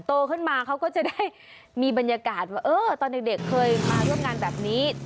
โตขึ้นมาเขาก็จะได้มีบรรยากาศว่าเออตอนเด็กเคยมาร่วมงานแบบนี้